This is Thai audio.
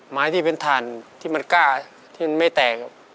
ไม้ที่เป็นถ่านที่มันกล้าที่มันไม่แตกครับ